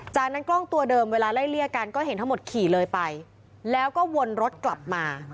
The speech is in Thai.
จากนั้นกล้องตัวเดิมเวลาไล่เลี่ยกันก็เห็นทั้งหมดขี่เลยไปแล้วก็วนรถกลับมา